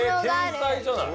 え天才じゃない。